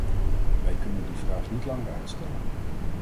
Wij kunnen die vraag niet langer uitstellen.